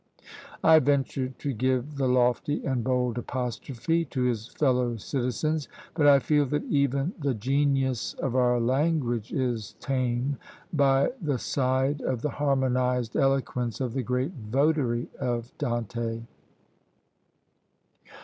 I venture to give the lofty and bold apostrophe to his fellow citizens; but I feel that even the genius of our language is tame by the side of the harmonised eloquence of the great votary of Dante!